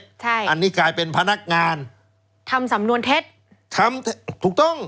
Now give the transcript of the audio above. ใช่อันนี้กลายเป็นพนักงานทำสำนวนเท็จทำถูกต้อง